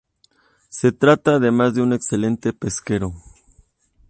Se trata además de un excelente pesquero.